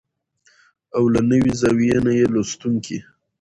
او له نوې زاويې نه يې لوستونکي